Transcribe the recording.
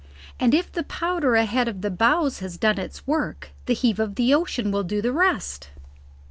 "And if the powder ahead of the bows has done its work, the heave of the ocean will do the rest."